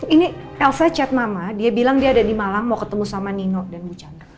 ini elsa chat mama dia bilang dia ada di malang mau ketemu sama nino dan bu chandra